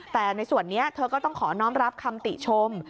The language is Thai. แต่ในส่วนนี้เธอก็ต้องขอน้องรับคำติชม